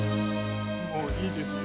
もういいですよ。